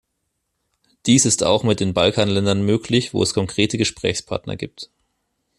Dies ist auch mit den Balkanländern möglich, wo es konkrete Gesprächspartner gibt.